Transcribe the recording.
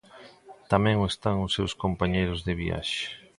Tamén o están os seus compañeiros de viaxe.